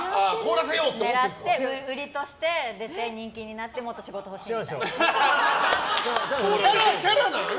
狙って売りとして、人気になってもっと仕事ほしいみたいな。